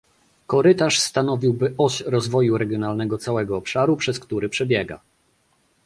Korytarz stanowiłby oś rozwoju regionalnego całego obszaru, przez który przebiega